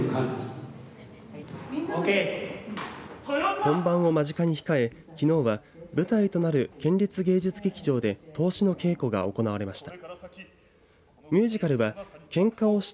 本番を間近に控えきのうは舞台となる県立芸術劇場で通しの稽古が行われました。